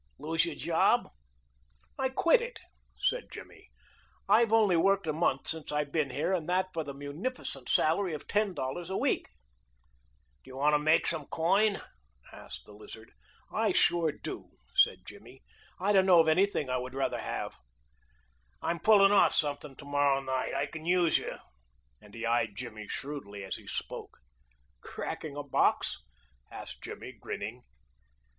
"Lose your job?" "I quit it," said Jimmy. "I've only worked a month since I've been here, and that for the munificent salary of ten dollars a week." "Do you want to make some coin?" asked the Lizard. "I sure do," said Jimmy. "I don't know of anything I would rather have." "I'm pullin' off something to morrow night. I can use you," and he eyed Jimmy shrewdly as he spoke. "Cracking a box?" asked Jimmy, grinning.